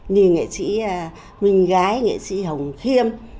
như nghệ sĩ huỳnh gái nghệ sĩ hồng khiêm